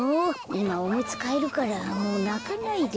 いまおむつかえるからもうなかないで。